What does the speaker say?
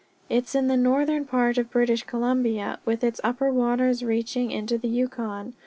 It's in the northern part of British Columbia, with its upper waters reaching into the Yukon.